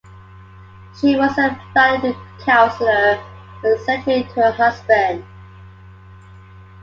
She was a valued counselor and secretary to her husband.